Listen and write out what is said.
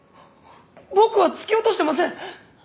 僕は突き落としてません！